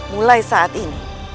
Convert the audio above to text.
mulai saat ini